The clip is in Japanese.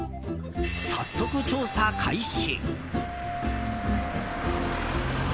早速、調査開始。